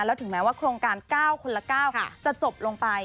แล้วถึงแม้ว่าโครงการ๙คนละ๙จะจบลงไป